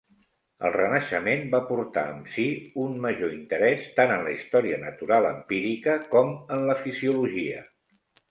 El Renaixement va portar amb si un major interès tant en la història natural empírica com en la fisiologia.